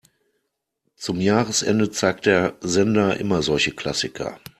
Zum Jahresende zeigt der Sender immer solche Klassiker.